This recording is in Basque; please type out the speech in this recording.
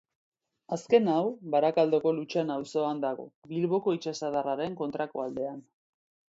Azken hau, Barakaldoko Lutxana auzoan dago, Bilboko itsasadarraren kontrako aldean.